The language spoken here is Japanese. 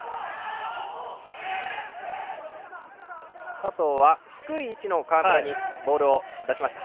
佐藤は低い位置の川村にボールを出しました。